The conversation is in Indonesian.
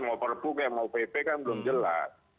mau perpu kayak mau pp kan belum jelas